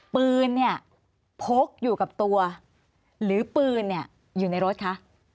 ปืนพกอยู่กับตัวหรือปืนอยู่ในรถคะ